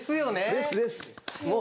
ですです